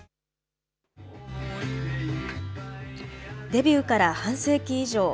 デビューから半世紀以上。